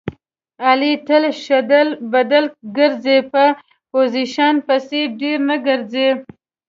علي تل شډل بډل ګرځي. په پوزیشن پسې ډېر نه ګرځي.